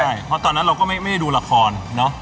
ใช่เพราะตอนนั้นเราก็ไม่ได้ดูละครเนอะ